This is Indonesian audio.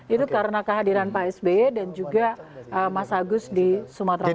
itu karena kehadiran pak sby dan juga mas agus di sumatera barat